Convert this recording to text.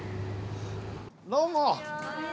どうも。